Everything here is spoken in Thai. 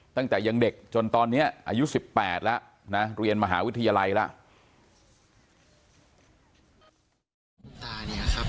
ตั้งแต่ยังเด็กจนตอนนี้อายุ๑๘แล้วนะเรียนมหาวิทยาลัยแล้ว